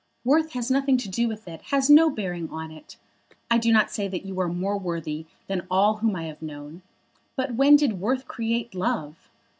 "Worth has nothing to do with it, has no bearing on it. I do not say that you are more worthy than all whom I have known. But when did worth create love?